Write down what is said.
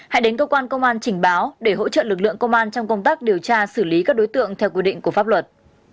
hãy đến cơ quan công an trình báo để hỗ trợ lực lượng công an trong công tác điều tra xử lý các đối tượng theo quy định của pháp luật